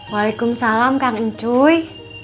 waalaikumsalam kang encuy